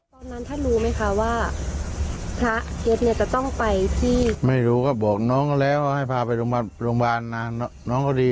พระเจ้าอาวาสกันหน่อยนะครับพระเจ้าอาวาสกันหน่อยนะครับ